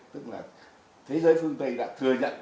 tức là thế giới phương tây đã thừa nhận